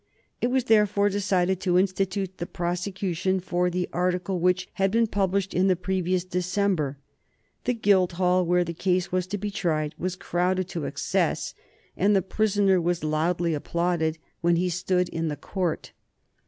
It was therefore decided to institute the prosecution for the article which had been published in the previous December. The Guildhall, where the case was to be tried, was crowded to excess, and the prisoner was loudly applauded when he stood in the court.